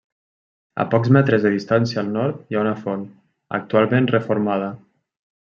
A pocs metres de distància al nord hi ha una font, actualment reformada.